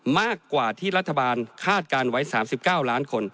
มากกว่าที่รัฐบาลคาดการณ์ไว้๓๙ล้านคน